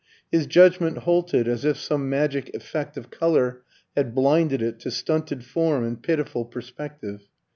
His judgment halted as if some magic effect of colour had blinded it to stunted form and pitiful perspective.